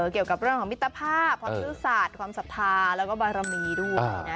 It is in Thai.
เกี่ยวกับเรื่องของมิตรภาพความซื่อสัตว์ความศรัทธาแล้วก็บารมีด้วยนะ